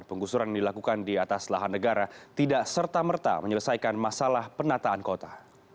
penggusuran dilakukan di atas lahan negara tidak serta merta menyelesaikan masalah penataan kota